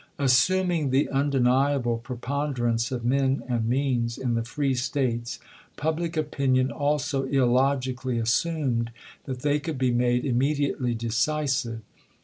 Assuming the undeniable preponderance of men and means in the free States, public opinion also illogically assumed that they could be made immediately de cisive.